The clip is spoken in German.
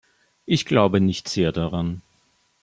Ich glaube nicht sehr daran.